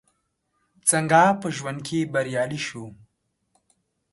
څنګه په ژوند کې بريالي شو ؟